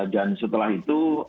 dan setelah itu